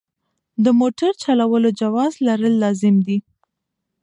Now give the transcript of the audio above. د موټر چلولو جواز لرل لازم دي.